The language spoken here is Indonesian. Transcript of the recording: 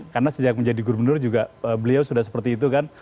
karena sejak menjadi gubernur juga beliau sudah seperti itu kan